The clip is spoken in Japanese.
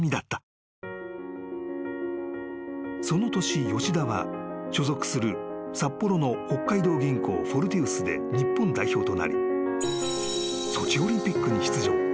［その年吉田は所属する札幌の北海道銀行フォルティウスで日本代表となりソチオリンピックに出場］